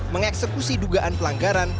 mengeksekusi dugaan pelanggaran